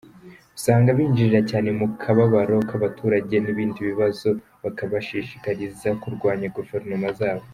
Usanga binjirira cyane mu kababaro k’abaturage n’ibindi bibazo bakabashishikariza kurwanya guverinoma zabo.